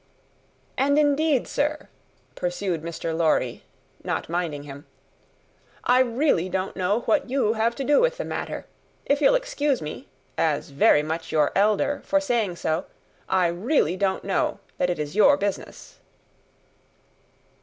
"And indeed, sir," pursued Mr. Lorry, not minding him, "I really don't know what you have to do with the matter. If you'll excuse me, as very much your elder, for saying so, I really don't know that it is your business."